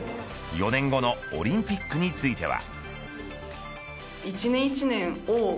４年後のオリンピックについては。